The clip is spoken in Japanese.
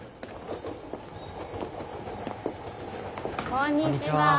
こんにちは。